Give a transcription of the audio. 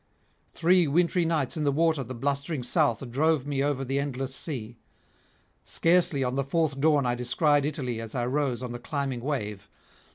Three wintry nights in the water the blustering south drove me over the endless sea; scarcely on the fourth dawn I descried Italy as I rose on the climbing wave.